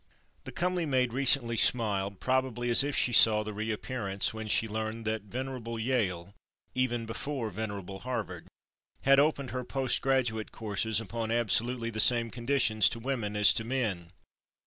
The comely maid recently smiled, probably as if she saw the reappearance, when she learned that venerable Yale, even before venerable Harvard, had opened her post graduate courses upon absolutely the same conditions to women as to men.